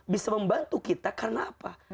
bisa membantu kita karena apa